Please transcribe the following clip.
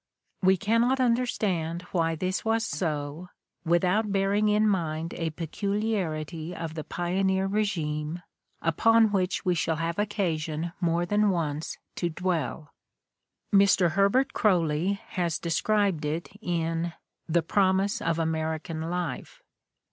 We cannot understand why this was so without bear ing in mind a peculiarity of the pioneer regime upon which we shall have occasion more than once to dwell. Mr. Herbert Croly has described it in "The' Promise of American Life."